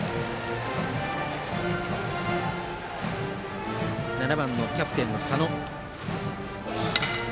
バッター、７番キャプテンの佐野。